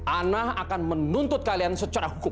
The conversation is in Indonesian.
ana akan menuntut kalian secara hukum